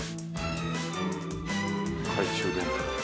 懐中電灯。